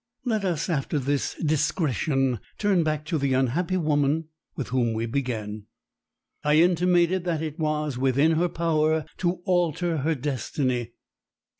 Let us after this disgression turn back to the unhappy woman with whom we began. I intimated that it was within her power to alter her destiny.